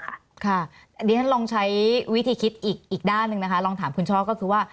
ครับเราจะลองใช้วิธีคิดอีกด้านหนึ่งลองถามคุณช้อก็คือว่า